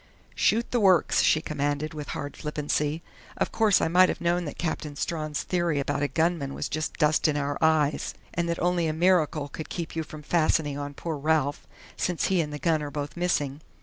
"Shoot the works!" she commanded, with hard flippancy. "Of course I might have known that Captain Strawn's theory about a gunman was just dust in our eyes, and that only a miracle could keep you from fastening on poor Ralph, since he and the gun are both missing....